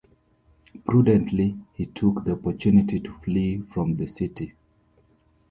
Prudently, he took the opportunity to flee from the City.